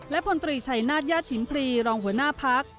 และพลตรีชัยนาฏญาติชิมพรีรองหัวหน้าพัก